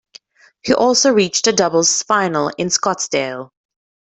He also reached a doubles final in Scottsdale.